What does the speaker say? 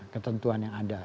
ketentuan yang ada